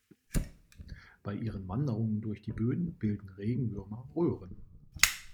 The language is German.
Bei ihren Wanderungen durch die Böden bilden Regenwürmer Röhren.